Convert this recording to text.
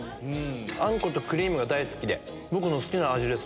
あんことクリームが大好きで僕の好きな味です